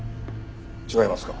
違いますか？